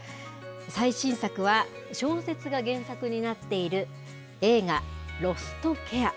最新作は小説が原作になっている映画ロストケア。